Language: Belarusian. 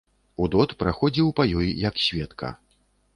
Удод праходзіў па ёй як сведка.